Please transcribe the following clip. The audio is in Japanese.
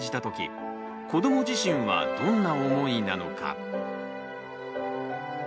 時子ども自身はどんな思いなのか。